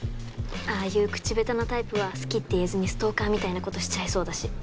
ああいう口下手なタイプは好きって言えずにストーカーみたいなことしちゃいそうだし。